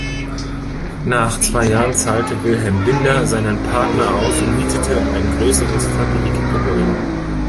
Nach zwei Jahren zahlte Wilhelm Binder seinen Partner aus und mietete ein größeres Fabrikgebäude.